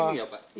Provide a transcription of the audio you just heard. di sini ya pak